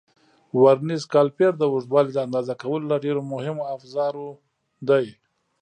ورنیز کالیپر د اوږدوالي د اندازه کولو له ډېرو مهمو افزارو دی.